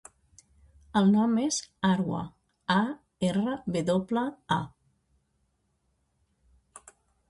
El nom és Arwa: a, erra, ve doble, a.